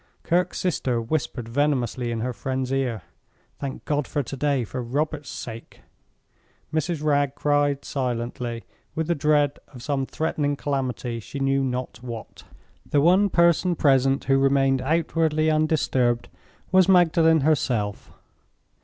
Kirke's sister whispered venomously in her friend's ear, "Thank God for to day for Robert's sake." Mrs. Wragge cried silently, with the dread of some threatening calamity she knew not what. The one person present who remained outwardly undisturbed was Magdalen herself.